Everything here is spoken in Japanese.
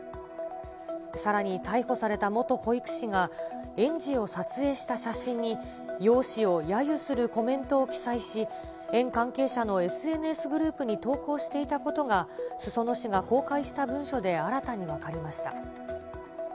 さらに逮捕された元保育士が、園児を撮影した写真に、容姿をやゆするコメントを記載し、園関係者のＳＮＳグループに投稿していたことが、裾野市が公開した文書で新たに分かりました。